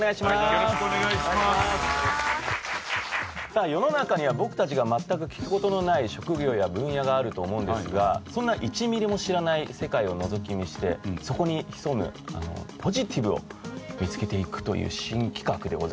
さあ世の中には僕たちが全く聞く事のない職業や分野があると思うんですがそんな１ｍｍも知らない世界をのぞき見してそこに潜むポジティブを見つけていくという新企画でございます。